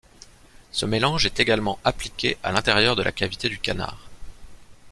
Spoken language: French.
Ce mélange est également appliqué à l'intérieur de la cavité du canard.